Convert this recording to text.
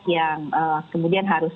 yang kemudian harus